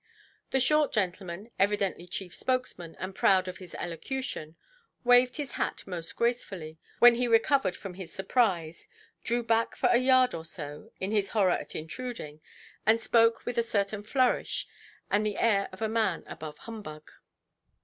The short gentleman, evidently chief spokesman and proud of his elocution, waved his hat most gracefully, when he recovered from his surprise, drew back for a yard or so, in his horror at intruding, and spoke with a certain flourish, and the air of a man above humbug.